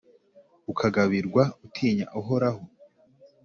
ukagabirwa utinya Uhoraho.